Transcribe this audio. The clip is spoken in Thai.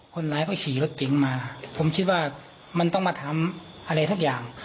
คนร้ายเขาขี่รถเก๋งมาผมคิดว่ามันต้องมาทำอะไรสักอย่าง